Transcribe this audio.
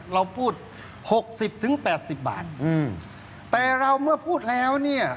เราพูดหกสิบถึงแปดสิบบาทอืมแต่เราเมื่อพูดแล้วเนี่ย